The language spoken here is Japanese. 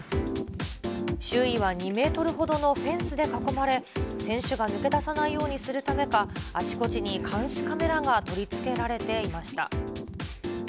周囲は２メートルほどのフェンスで囲まれ、選手が抜け出さないようにするためか、あちこちに監視カメラが取り付けられていました。